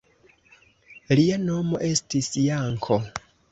Lia nomo estis Janko.